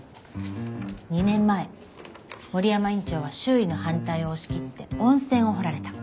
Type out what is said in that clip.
２年前森山院長は周囲の反対を押し切って温泉を掘られた。